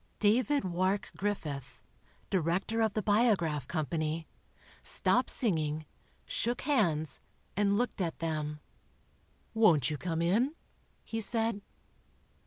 David Wark Griffith, director of the Biograph Company, stopped singing, shook hands and looked at them. "Won't you come in?" he said.